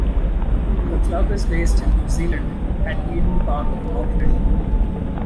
The club is based in New Zealand, at Eden Park in Auckland.